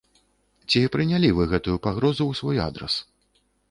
Ці прынялі вы гэтую пагрозу ў свой адрас.